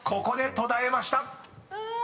ここで途絶えました］